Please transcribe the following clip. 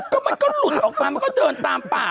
ก็มันก็หลุดออกมามันก็เดินตามป่า